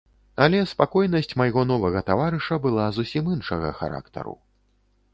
Але спакойнасць майго новага таварыша была зусім іншага характару.